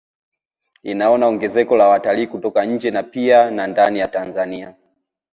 Inaona ongezeko la watalii kutoka nje na pia na ndani ya Tanzania